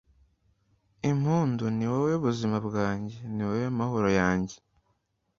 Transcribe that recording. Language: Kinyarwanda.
impundu, ni wowe buzima bwanjye, ni wowe mahoro yanjye